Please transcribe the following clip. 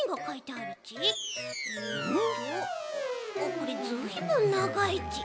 これずいぶんながいち。